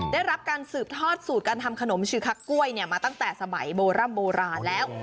ได้รับการสืบทอดสูตรการทำขนมชื่อคักกล้วยมาตั้งแต่สมัยโบร่ำโบราณแล้ว